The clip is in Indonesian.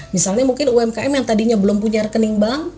misalnya mungkin umkm yang tadinya belum punya rekening bank